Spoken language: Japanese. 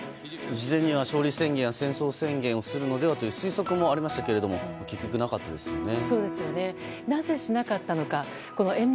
事前には、勝利宣言や戦争宣言をするのではという推測もありましたが結局なかったですよね。